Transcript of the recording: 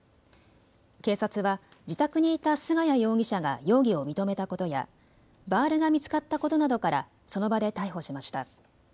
警察は自宅にいた菅谷容疑者が容疑を認めたことやバールが見つかったことなどからその場で逮捕しました。